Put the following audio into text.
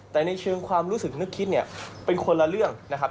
แต่ในเชิงความรู้สึกนึกคิดเนี่ยเป็นคนละเรื่องนะครับ